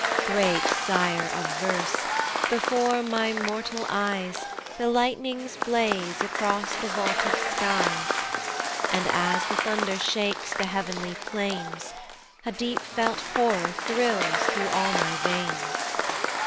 Great Sire of verse, before my mortal eyes, The lightnings blaze across the vaulted skies, And, as the thunder shakes the heav'nly plains, A deep felt horror thrills through all my veins.